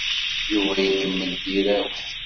Yuba ikemmel tirawt.